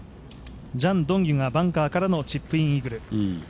ジャン・ドンキュがバンカーからのチップインイーグル。